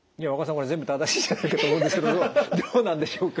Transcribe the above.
これ全部正しいんじゃないかと思うんですけどどうなんでしょうか？